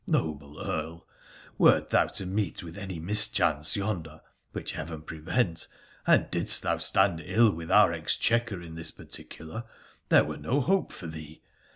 Noble Earl, wert thou to meet with any mischance yonder — which heaven prevent !— and didst thou stand ill with our exchequer in this particular, there were no hope for thee